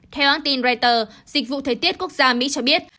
theo hãng tin reuters dịch vụ thời tiết quốc gia mỹ cho biết